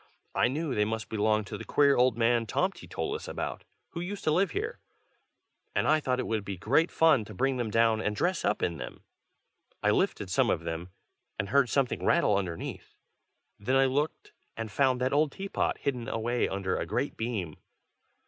I knew they must belong to the queer old man Tomty told us about, who used to live here, and I thought it would be great fun to bring them down and dress up in them. I lifted some of them, and heard something rattle underneath: then I looked, and found that old teapot, hidden away under a great beam.